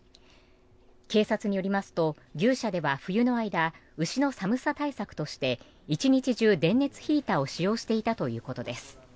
警察によりますと牛舎では冬の間牛の寒さ対策として１日中、電熱ヒーターを使用していたということです。